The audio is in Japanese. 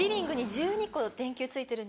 １２個。